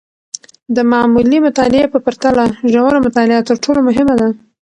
د معمولي مطالعې په پرتله، ژوره مطالعه تر ټولو مهمه ده.